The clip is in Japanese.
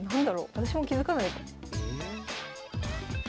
私も気付かないぞ。